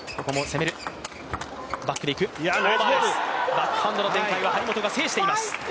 バックハンドの展開は張本が制しています。